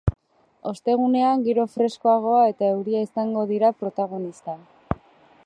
Ostegunean, giro freskoagoa eta euria izango dira protagonista.